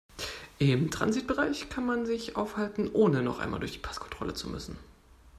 Im Transitbereich kann man sich aufhalten, ohne noch einmal durch die Passkontrolle zu müssen.